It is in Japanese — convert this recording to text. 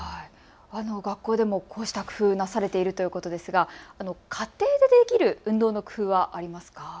学校でもこうした工夫なされているということですが家庭でできる運動の工夫はありますか。